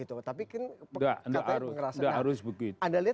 tapi kan katanya pengerasanya